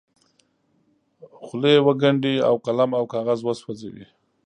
خولې وګنډي او قلم او کاغذ وسوځوي.